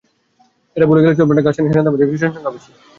এটা ভুলে গেলে চলবে না যে, গাসসানী সেনাদের মধ্যে খ্রিষ্টান সংখ্যা বেশি।